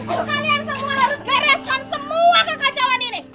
kalian semua harus geraskan semua kekacauan ini